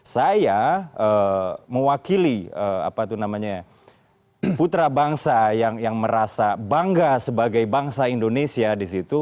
saya mewakili putra bangsa yang merasa bangga sebagai bangsa indonesia di situ